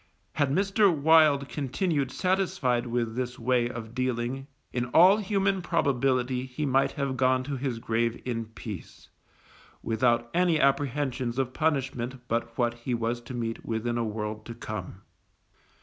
Had Mr. Wild continued satisfied with this way of dealing in all human probability he might have gone to his grave in peace, without any apprehensions of punishment but what he was to meet within a world to come.